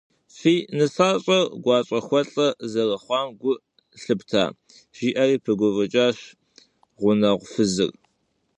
- Фи нысащӏэр гуащӏэхуэлъэ зэрыхъуам гу лъыпта? - жиӏэри пыгуфӏыкӏащ гъунэгъу фызыр.